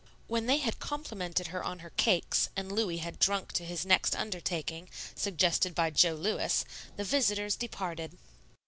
When they had complimented her on her cakes and Louis had drunk to his next undertaking, suggested by Jo Lewis, the visitors departed.